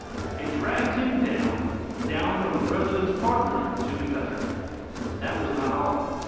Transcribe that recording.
It dragged him down, down from "the President's partner" to the gutter. That was not all.